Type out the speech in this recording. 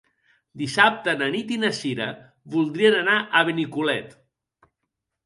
Dissabte na Nit i na Cira voldrien anar a Benicolet.